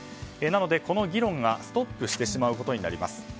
なので、この議論がストップしてしまうことになります。